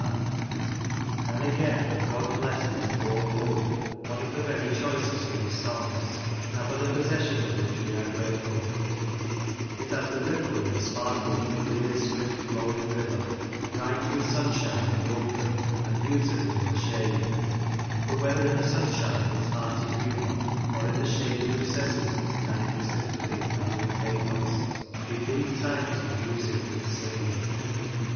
32 Lancashire Characters and Places, And again, from " God bless those poor Folk," one of the very choicest of his songs, and for the possession of which we are grateful It has the ripple and the sparkle of a clear^ swift flowing river, bright with sunshii^e in the open, and beautiful in the shade ; but whether in the sunshine of its hearty humour or in the shaded recesses of its kindly sym pathy and manly pathos, we beat time to the music of its singing.